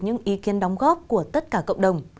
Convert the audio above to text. những ý kiến đóng góp của tất cả cộng đồng